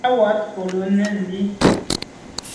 À wat nkelo nèn yi.